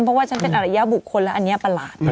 เพราะฉันเป็นยาวบุคลอันนี้ประหลาด